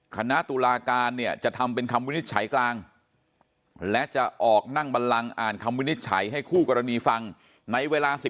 คณะตุลาการเนี่ยจะทำเป็นคำวินิจฉัยกลางและจะออกนั่งบันลังอ่านคำวินิจฉัยให้คู่กรณีฟังในเวลา๑๐